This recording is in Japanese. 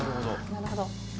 なるほど。